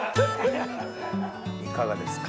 いかがですか？